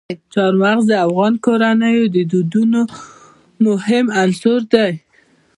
چار مغز د افغان کورنیو د دودونو مهم عنصر دی.